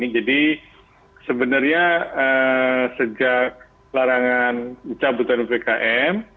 jadi sebenarnya sejak larangan cabutan ppkm